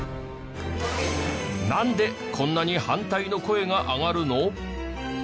なんでこんなに反対の声が上がるの？